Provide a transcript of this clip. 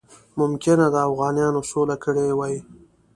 ممکنه ده اوغانیانو سوله کړې وي.